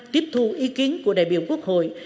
tiếp thu ý kiến của đại biểu quốc hội